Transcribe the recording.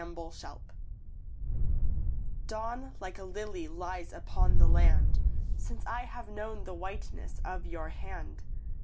Presence Dawn like a lily lies upon the land Since I have known the whiteness of your hand.